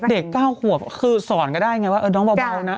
เด็กเก้าหัวคือสอนก็ได้ไงว่าน้องเบานะ